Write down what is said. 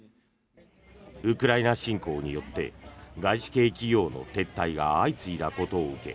ウクライナ侵攻によって外資系企業の撤退が相次いだことを受け